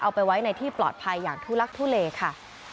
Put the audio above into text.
เอาไปไว้ในที่ปลอดภัยอย่างทุลักทุเลค่ะ